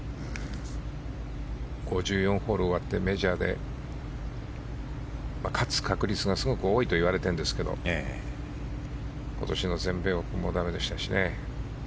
５４ホール終わってメジャーで勝つ確率がすごい多いといわれているんですけど今年の全米オープンも駄目でしたしね。